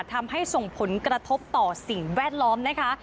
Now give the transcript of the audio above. ทำให้ส่งผลกระทบต่อสิ่งแวดล้อมนะคะ